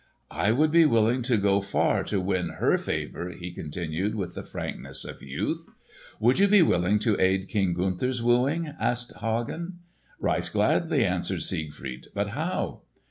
"I would be willing to go far to win her favour," he continued with the frankness of youth. "Would you be willing to aid King Gunther's wooing?" asked Hagen. "Right gladly," answered Siegfried. "But how?"